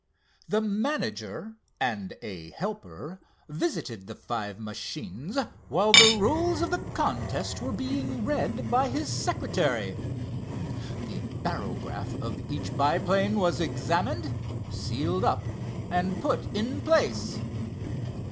The manager and a helper visited the five machines while the rules of the contest were being read by his secretary. The barograph of each biplane was examined, sealed up and put in place.